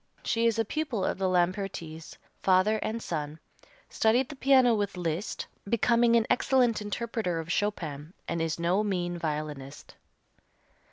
She is a pupil of the Lampertis, father and son, studied the piano with Liszt, becoming an excellent interpreter of Chopin, and is no mean violinist.